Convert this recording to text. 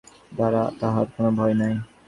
আমি আশাকে ভালোবাসি, আমার দ্বারা তাহার কোনো ভয় নাই।